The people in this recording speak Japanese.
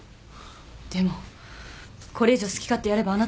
でもこれ以上好き勝手やればあなたは。